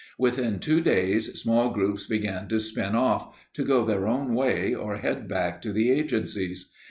Within two days, small groups began to spin off, to go their own way or head back to the agencies.